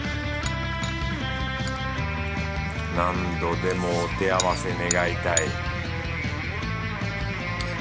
何度でもお手合わせ願いたい